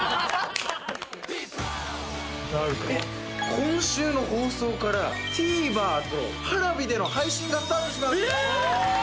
今週の放送からＴＶｅｒとＰａｒａｖｉでの配信がスタートします